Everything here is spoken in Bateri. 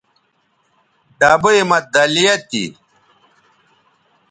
ڈبئ مہ دَلیہ تھی